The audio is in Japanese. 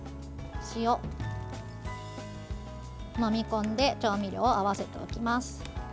もみ込んで調味料を合わせておきます。